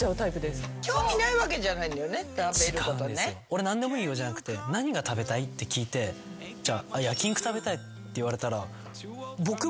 俺何でもいいよじゃなくて何が食べたい？って聞いて焼き肉食べたいって言われたら。